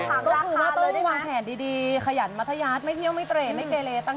ก็คือว่าต้องวางแผนดีขยันมัทยาศไม่เทเลตั้งใจทำงาน